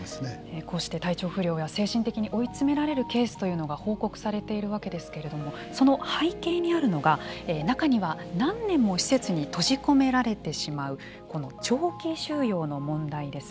こうして体調不良や精神的に追い詰められるケースというのが報告されているわけですけれどもその背景にあるのが中には何年も施設に閉じ込められてしまう長期収容の問題です。